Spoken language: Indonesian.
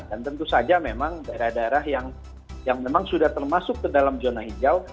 dan tentu saja memang daerah daerah yang memang sudah termasuk ke dalam zona hijau